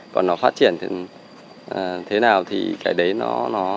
còn nó phát triển thì thế nào thì cái đấy nó